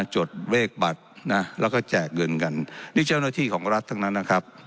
จดเลขบัตรนะแล้วก็แจกเงินกันนี่เจ้าหน้าที่ของรัฐทั้งนั้นนะครับ